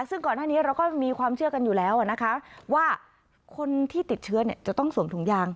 ซึ่งก่อนหน้านี้เราก็มีความเชื่อกันอยู่แล้วนะคะว่าคนที่ติดเชื้อจะต้องสวมถุงยาง